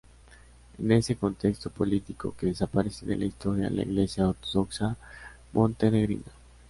Es en ese contexto político que desaparece de la historia la Iglesia ortodoxa montenegrina.